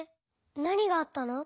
なにがあったの？